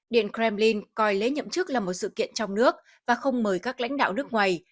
điện kremlin coi lễ nhậm chức là một sự kiện trong nước và không mời các lãnh đạo nước ngoài